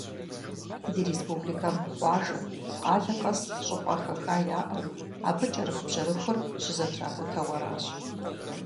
Ди республикэм къуажэ, къалэ къэс щӏыпӏэ хэха яӏэу, абы кӏэрыхубжьэрыхур щызэтракӏутэу аращ.